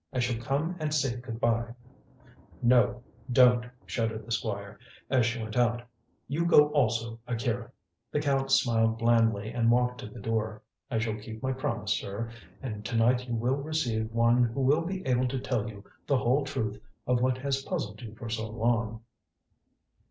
"I shall come and say good bye." "No, don't!" shuddered the Squire, as she went out. "You go also, Akira." The Count smiled blandly and walked to the door. "I shall keep my promise, sir, and to night you will receive one who will be able to tell you the whole truth of what has puzzled you for so long."